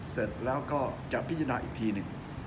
เสร็จแล้วก็จะพิจารณาอีกทีหนึ่ง